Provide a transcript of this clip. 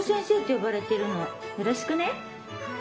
よろしくね。